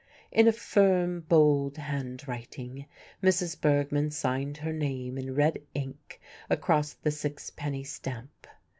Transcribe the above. In a firm, bold handwriting Mrs. Bergmann signed her name in red ink across the sixpenny stamp.